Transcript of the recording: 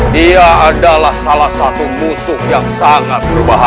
dia adalah salah satu musuh yang sangat berbahaya